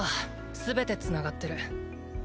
全て繋がってる。